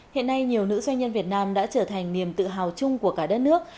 hiện nay nhiều nữ doanh nhân việt nam đã trở thành niềm tự hào chung của cả đất nước